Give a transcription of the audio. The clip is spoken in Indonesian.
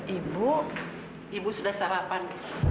ibu ibu sudah sarapan